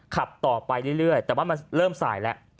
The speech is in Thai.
ขับต่อไปเรื่อยแต่ว่ามันเริ่มสายแล้ว